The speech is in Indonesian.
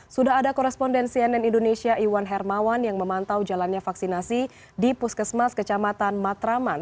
sudah ada koresponden cnn indonesia iwan hermawan yang memantau jalannya vaksinasi di puskesmas kecamatan matraman